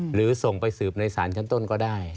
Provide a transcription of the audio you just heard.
หรือส่งไปสืบในสารชั้นต้นก็ได้